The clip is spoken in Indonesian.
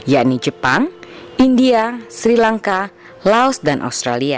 yakni jepang india sri lanka laos dan australia